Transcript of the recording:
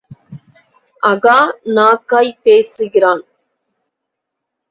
அகா நாக்காய்ப் பேசுகிறான்.